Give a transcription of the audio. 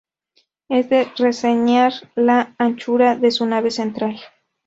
Es de reseñar la anchura de su nave central.